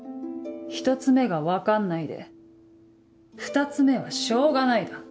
１つ目が「分かんない」で２つ目は「しょうがない」だ。